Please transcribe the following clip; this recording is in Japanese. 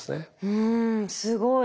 うんすごい。